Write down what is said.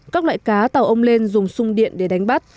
các loại cá tàu ông lên dùng sung điện để đánh bắt